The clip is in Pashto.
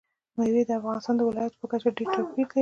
مېوې د افغانستان د ولایاتو په کچه ډېر توپیر لري.